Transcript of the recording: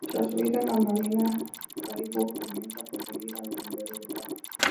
Tras huir de la Marina, Caribou comienza a perseguir a los Sombrero de paja.